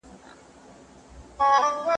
لیکوال وویل چې شرکت ژغورل شوی دی.